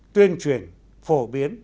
tuyên truyền phổ biến